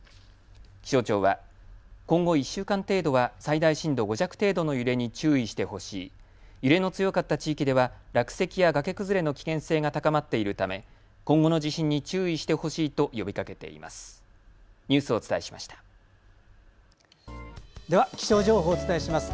気象庁は今後１週間程度は最大震度５弱程度の揺れに注意してほしい揺れの強かった地域では落石や崖崩れの危険性が高まっているため今後の地震に注意してほしいと呼びかけています。